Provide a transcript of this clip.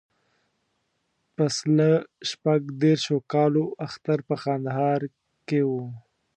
پسله شپږ دیرشو کالو اختر په کندهار کې و.